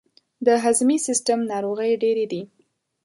د هضمي سیستم ناروغۍ ډیرې دي.